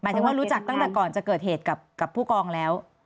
ถึงว่ารู้จักตั้งแต่ก่อนจะเกิดเหตุกับผู้กองแล้ว